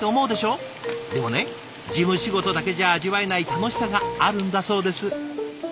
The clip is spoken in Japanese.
でもね事務仕事だけじゃ味わえない楽しさがあるんだそうです。